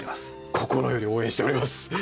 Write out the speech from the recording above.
心より応援しております。